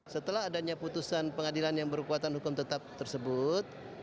setelah adanya putusan pengadilan yang berkekuatan hukum tetap tersebut